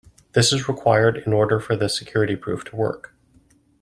This is required in order for the security proof to work.